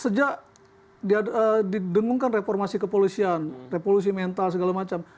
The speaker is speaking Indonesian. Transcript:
sejak didengungkan reformasi kepolisian revolusi mental segala macam